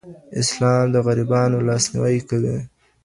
اسلام د غریبانو لاسنیوی کوي.